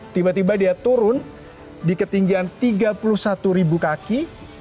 tiba tiba dia turun di ketinggian tiga puluh satu ribu kaki